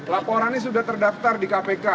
laporannya sudah terdaftar di kpk